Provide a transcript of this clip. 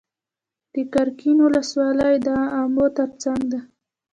د قرقین ولسوالۍ د امو تر څنګ ده